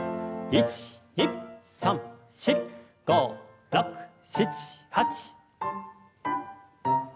１２３４５６７８。